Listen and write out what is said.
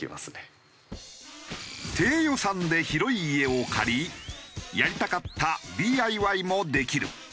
低予算で広い家を借りやりたかったＤＩＹもできる。